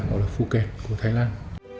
hoặc phuket của thái lan